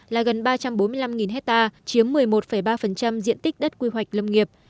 là gần ba trăm bốn mươi năm hectare chiếm một mươi một ba diện tích đất quy hoạch lâm nghiệp